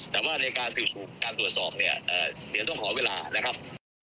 แต่ว่าในการสื่อสูงการตรวจสอบเรียกต้องขอเวลานะครับ